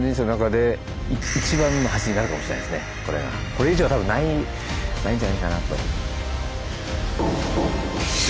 これ以上は多分ないないんじゃないかなと。